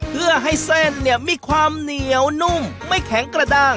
เพื่อให้เส้นเนี่ยมีความเหนียวนุ่มไม่แข็งกระด้าง